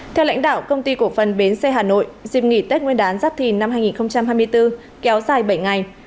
theo lãnh đạo công ty cổ phần bến xe hà nội dịp nghỉ tết nguyên đán giáp thìn năm hai nghìn hai mươi bốn kéo dài bảy ngày